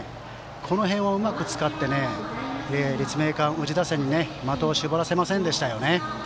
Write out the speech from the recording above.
この辺をうまく使って立命館宇治打線に的を絞らせませんでしたね。